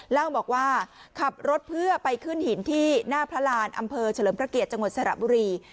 เล่าบอกว่าขับรถเพื่อไปขึ้นหินที่หน้าพระรานอำเภอเฉลิมพระเกียรติจังหวัดสระบุรี